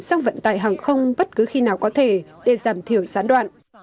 sang vận tải hàng không bất cứ khi nào có thể để giảm thiểu gián đoạn